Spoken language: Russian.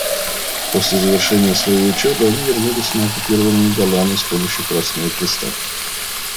После завершения своей учебы они вернулись на оккупированные Голаны с помощью Красного Креста.